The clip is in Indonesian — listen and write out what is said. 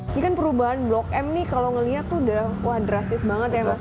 ini kan perubahan blok m nih kalau ngelihat tuh udah wah drastis banget ya mas